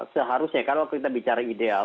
seharusnya kalau kita bicara ideal